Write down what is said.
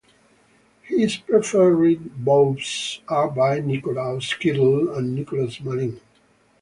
His preferred bows are by Nicolaus Kittel and Nicolas Maline.